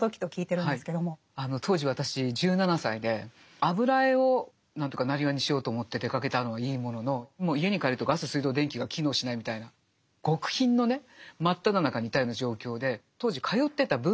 当時私１７歳で油絵を生業にしようと思って出かけたのはいいもののもう家に帰るとガス水道電気が機能しないみたいな極貧のね真っただ中にいたような状況で。